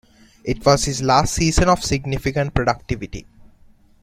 It was his last season of significant productivity.